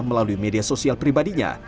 melalui media sosial pribadinya